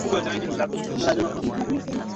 wakati makabila ya Uturuki ya ufugaji wa ngombe